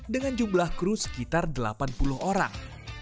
dengan jumlah kru sekitar delapan puluh orang